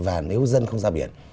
và nếu dân không ra biển